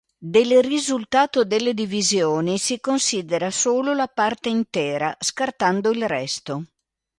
Del risultato delle divisioni si considera solo la parte intera, scartando il resto.